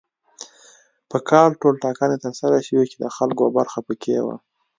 په کال ټولټاکنې تر سره شوې چې د خلکو برخه پکې وه.